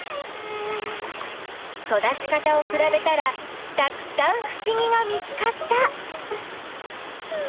育ち方をくらべたらたくさんふしぎが見つかった！